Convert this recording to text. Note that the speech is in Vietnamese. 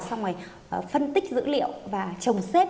xong rồi phân tích dữ liệu và trồng xếp